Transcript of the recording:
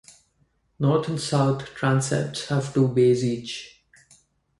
North and south transepts have two bays each.